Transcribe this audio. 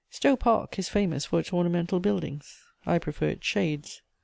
Stowe Park is famous for its ornamental buildings: I prefer its shades.